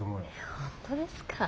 本当ですか？